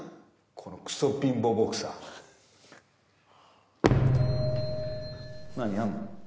このクソ貧乏ボクサー何やんの？